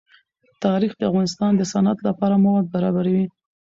تاریخ د افغانستان د صنعت لپاره مواد برابروي.